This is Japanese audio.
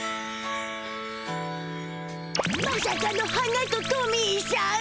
まさかの花とトミーしゃん。